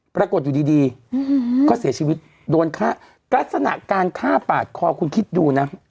ปรากฏอยู่ดีดีก็เสียชีวิตโดนฆ่าลักษณะการฆ่าปาดคอคุณคิดดูนะ